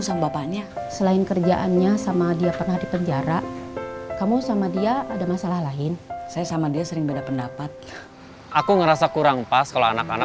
saya masih ada urusan